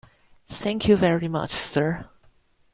Thank you very much, sir.